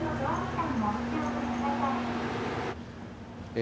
え